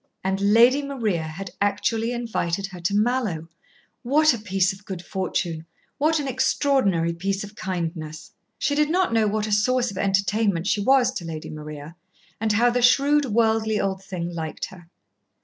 And Lady Maria had actually invited her to Mallowe. What a piece of good fortune what an extraordinary piece of kindness! She did not know what a source of entertainment she was to Lady Maria, and how the shrewd, worldly old thing liked her.